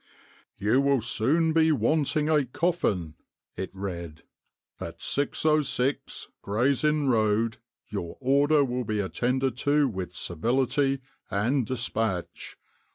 " You will soon be wanting a coffin 1 " it read. " At 606, Gray's Inn Road, your order will be attended to with civility and despatch.